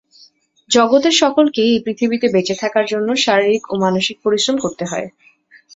জগতের সকলকেই এই পৃথিবীতে বেঁচে থাকার জন্য শারীরিক ও মানসিক পরিশ্রম করতে হয়।